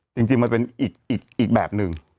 จริงมันเป็นอีกแบบหนึ่ง